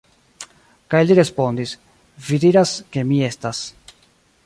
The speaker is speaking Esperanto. Kaj li respondis: Vi diras, ke mi estas.